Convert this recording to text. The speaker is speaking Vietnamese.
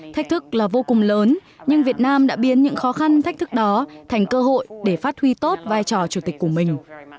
thách thức là vô cùng lớn nhưng việt nam đã biến những khó khăn thách thức đó thành cơ hội để phát huy tốt vai trò chủ tịch của mình